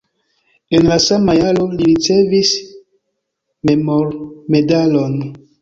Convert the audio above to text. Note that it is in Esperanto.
En la sama jaro li ricevis memormedalon.